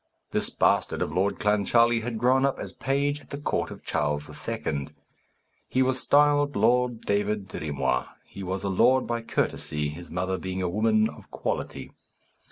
This bastard of Lord Clancharlie had grown up as page at the court of Charles II. He was styled Lord David Dirry Moir: he was a lord by courtesy, his mother being a woman of quality.